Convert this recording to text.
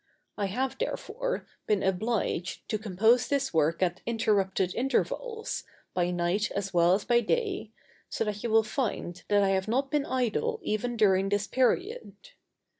I have, therefore, been obliged to compose this work at interrupted intervals, by night as well as by day, so that you will find that I have not been idle even during this period.